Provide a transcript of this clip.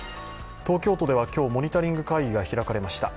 東京都では今日、モニタリング会議が開かれました。